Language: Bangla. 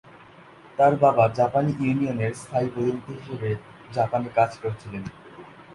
তার বাবা জাপানী ইউনিয়নের স্থায়ী প্রতিনিধি হিসেবে জাপানে কাজ করছিলেন।